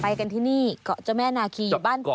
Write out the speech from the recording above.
ไปกันที่นี่เกาะเจ้าแม่นาคีบ้านคนสูง